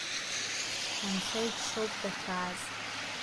Анцәа иџьшьоуп дахьааз!